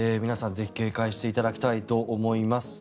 ぜひ警戒していただきたいと思います。